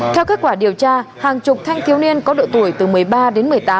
theo kết quả điều tra hàng chục thanh thiếu niên có độ tuổi từ một mươi ba đến một mươi tám